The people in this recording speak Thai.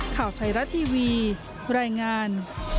ข่าวไทยรัฐทีวีรายงาน